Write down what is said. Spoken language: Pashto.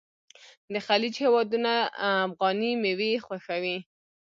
د خلیج هیوادونه افغاني میوې خوښوي.